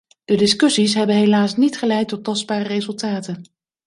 De discussies hebben helaas niet geleid tot tastbare resultaten.